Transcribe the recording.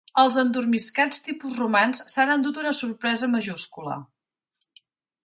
Els endormiscats tipus romans s'han endut una sorpresa majúscula.